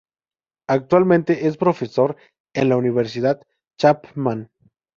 Actualmente es profesor en la Universidad Chapman.